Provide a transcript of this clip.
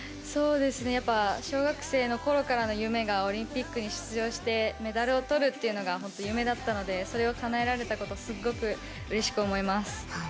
小学生のころからの夢がオリンピックに出場してメダルをとるというのが夢だったのでそれをかなえられたことすごくうれしく思います。